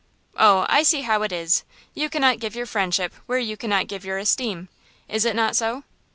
"Oh, I see how it is! You cannot give your friendship where you cannot give your esteem. Is it not so?"